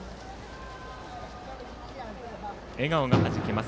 笑顔がはじけます